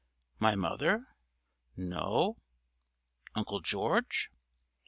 My mother? No. Uncle George?